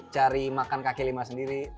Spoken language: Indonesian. cari makan kaki lima sendiri